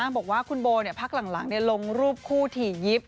บอกว่าคุณโบพักหลังลงรูปคู่ถี่ยิบ